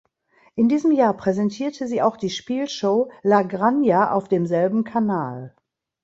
In diesem Jahr präsentierte sie auch die Spielshow La Granja auf demselben Kanal.